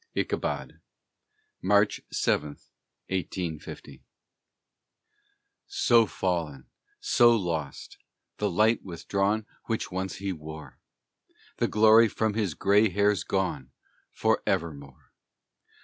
ICHABOD [March 7, 1850] So fallen! so lost! the light withdrawn Which once he wore! The glory from his gray hairs gone Forevermore!